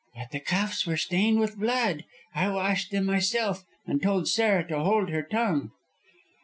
"But the cuffs were stained with blood. I washed them myself, and told Sarah to hold her tongue."